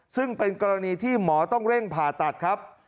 ซึ่งเป็นกรณีที่หมอต้องเร่งผ่าตัดครับ